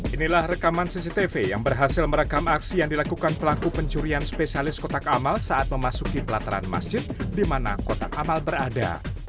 inilah rekaman cctv yang berhasil merekam aksi yang dilakukan pelaku pencurian spesialis kotak amal saat memasuki pelataran masjid di mana kotak amal berada